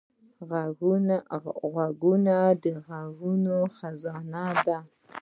غوږونه د غږونو خزانې دي